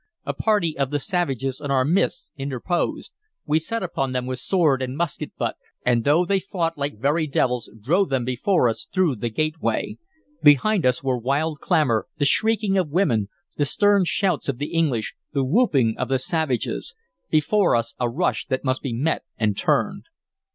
A party of the savages in our midst interposed. We set upon them with sword and musket butt, and though they fought like very devils drove them before us through the gateway. Behind us were wild clamor, the shrieking of women, the stern shouts of the English, the whooping of the savages; before us a rush that must be met and turned.